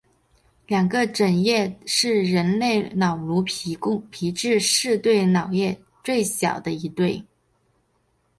两个枕叶是人类脑颅皮质四对脑叶最小的一对。